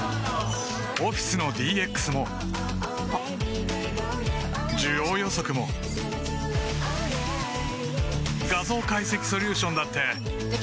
オフィスのＤＸも需要予測も画像解析ソリューションだって出来ました。